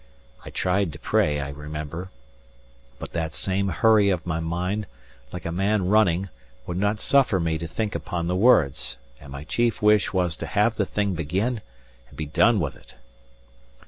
I tried to pray, I remember, but that same hurry of my mind, like a man running, would not suffer me to think upon the words; and my chief wish was to have the thing begin and be done with it.